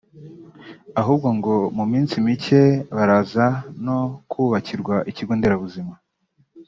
ahubwo ngo mu minsi micye baraza no kubakirwa ikigo nderabuzima